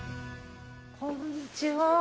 こんにちは。